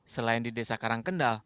selain di desa karangkendal